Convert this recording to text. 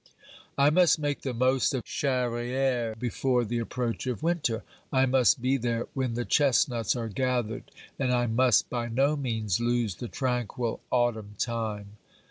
I must make the most of Charrieres before the approach of winter. I must be there when the chestnuts are gathered, and I must by no means lose the tranquil autumn time.